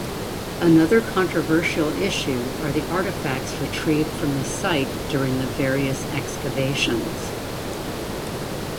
Another controversial issue are the artifacts retrieved from the site during the various excavations.